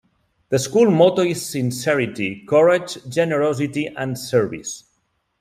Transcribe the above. The school motto is Sincerity, Courage, Generosity and Service.